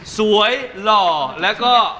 หล่อแล้วก็